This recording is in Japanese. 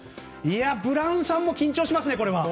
ブラウンさんも緊張しますね。